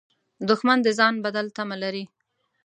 دښمن د ځان بدل تمه لري